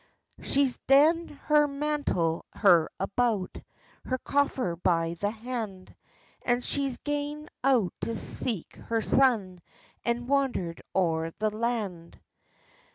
She's taen her mantle her about, Her coffer by the hand, And she's gane out to seek her son, And wandered o'er the land.